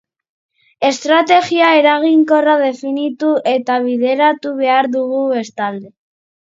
Estrategia eraginkorra definitu eta bideratu behar dugu bestalde.